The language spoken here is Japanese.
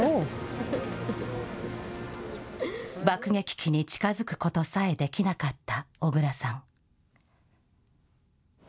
爆撃機に近づくことさえできなかった小倉さん。